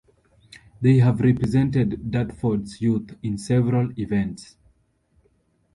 They have represented Dartford's youth in several events.